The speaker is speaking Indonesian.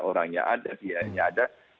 orangnya ada biayanya ada